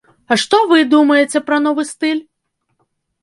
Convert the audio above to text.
А што вы думаеце пра новы стыль?